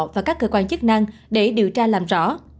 và các cơ quan chức năng để điều tra làm rõ